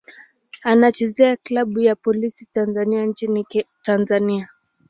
Anachezea klabu ya Polisi Tanzania nchini Tanzania.